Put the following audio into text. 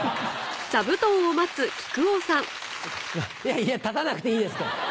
いや立たなくていいですから。